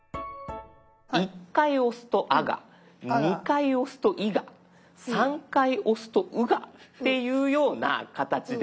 １回押すと「あ」が２回押すと「い」が３回押すと「う」がっていうような形で。